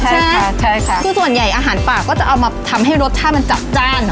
ใช่ค่ะคือส่วนใหญ่อาหารป่าก็จะเอามาทำให้รสชาติมันจัดจ้าน